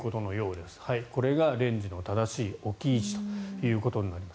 これがレンジの正しい置き位置となります。